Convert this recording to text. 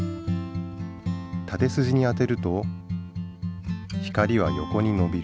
たてスジに当てると光は横にのびる。